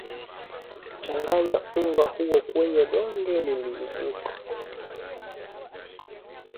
changanya unga huo kwenye donge liliumka